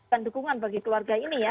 dukungan bagi keluarga ini ya